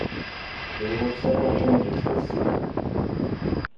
There were several changes this season.